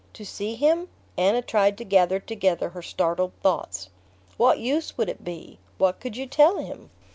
"To see him?" Anna tried to gather together her startled thoughts. "What use would it be? What could you tell him?"